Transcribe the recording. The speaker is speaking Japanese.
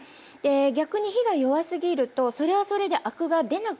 逆に火が弱すぎるとそれはそれでアクが出なくなるんですね。